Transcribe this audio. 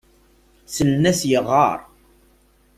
Ssalen-as yeqqar.